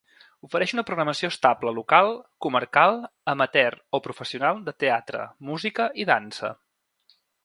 Ofereix una programació estable local, comarcal, amateur o professional, de teatre, música i dansa.